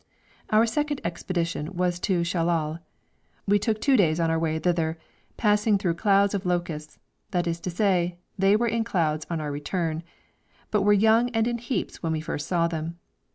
Our second expedition was to Shellal. We took two days on our way thither, passing through clouds of locusts that is to say, they were in clouds on our return, but were young and in heaps when we first saw them.